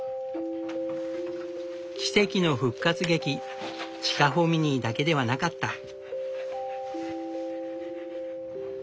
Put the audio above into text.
奇跡の復活劇チカホミニーだけではなかった。